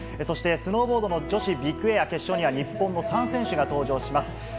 そして、スノーボード女子ビッグエア決勝には日本の３選手が登場します。